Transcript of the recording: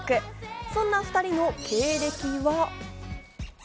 そんな２人の経歴は。